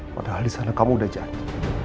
padahal di sana kamu udah jadi